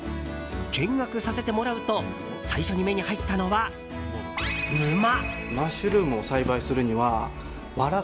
見学させてもらうと最初に目に入ったのは、馬。